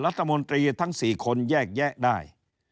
รัฐมนตรีทั้ง๔คนแยกแยะได้